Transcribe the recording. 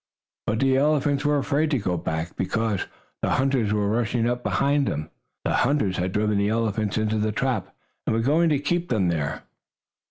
But the elephants were afraid to go back because the hunters were rushing up behind them. The hunters had driven the elephants into the trap, and were going to keep them there.